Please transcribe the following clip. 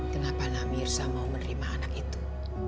kenapa namirsa mau menerima anak itu